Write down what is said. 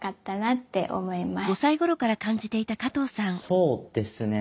そうですね。